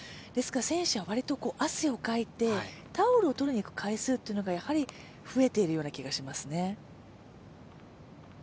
選手は割と汗をかいて、タオルを取りにいく回数がやはり増えているような気がしますね。